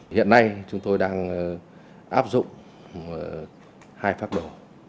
hiện nay chúng tôi đang áp dụng hai phác đồ